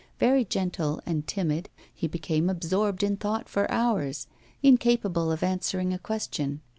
Very gentle and timid, he became absorbed in thought for hours, incapable of answering a question.